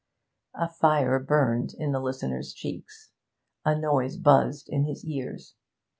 A fire burned in the listener's cheeks, a noise buzzed in his ears.